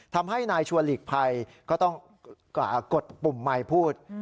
ทำให้นายชัวร์หลีกภัยก็ต้องกดปุ่มไมค์พูด